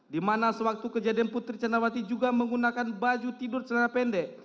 di mana sewaktu kejadian putri candrawati juga menggunakan baju tidur celana pendek